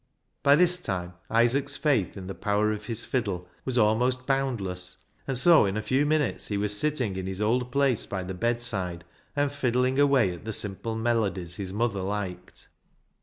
By this time Isaac's faith in the power of his fiddle was almost boundless, and so in a few minutes he was sitting in his old ISAAC'S ANGEL 271 place by the bedside and fiddling away at the simple melodies his mother liked.